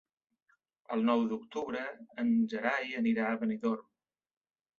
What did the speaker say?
El nou d'octubre en Gerai anirà a Benidorm.